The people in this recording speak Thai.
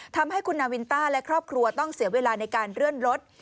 ทำให้คุณนาวินต้าและครอบครัวต้องเสียเวลาในการเลื่อนรถ